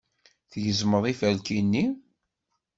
Tgezmeḍ iferki-nni?